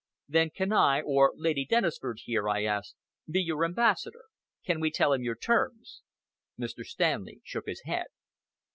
"Then can I or Lady Dennisford here," I asked, "be your ambassador? Can we tell him your terms?" Mr. Stanley shook his head.